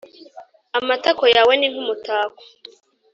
Amatako yawe ni nk’umutako